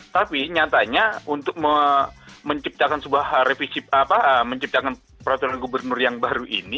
tapi nyatanya untuk menciptakan peraturan gubernur yang baru ini